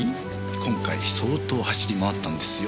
今回相当走り回ったんですよ。